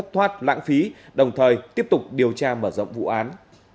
thoát lãng phí đồng thời tiếp tục điều tra mở rộng vụ án